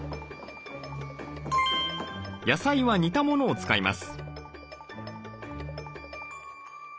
野菜は煮たものを使います。